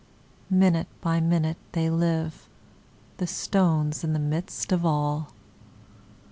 Minute by minute they live: The stone's in the midst of all.